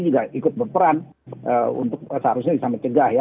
juga ikut berperan untuk seharusnya bisa mencegah ya